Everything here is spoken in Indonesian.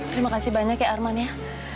terima kasih banyak ya arman ya